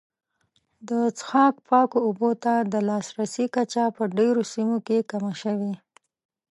د څښاک پاکو اوبو ته د لاسرسي کچه په ډېرو سیمو کې کمه شوې.